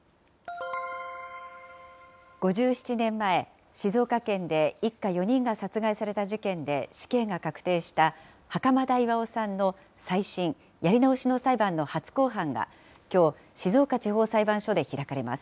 ５７年前、静岡県で一家４人が殺害された事件で死刑が確定した袴田巌さんの再審・やり直しの裁判の初公判がきょう、静岡地方裁判所で開かれます。